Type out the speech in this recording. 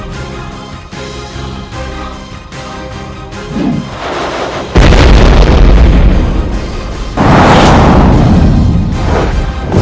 kau akan menang